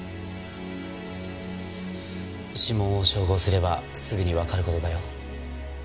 指紋を照合すればすぐにわかる事だよ。